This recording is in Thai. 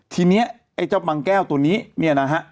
ทีนี้ไอ้เจ้าบางแก้วตัวนี้เนี่ยนะฮะ